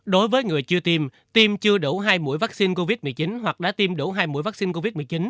đối với người chưa tiêm tiêm chưa đủ hai mũi vaccine covid một mươi chín hoặc đã tiêm đủ hai mũi vaccine covid một mươi chín